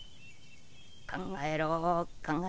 考えろ考えろ。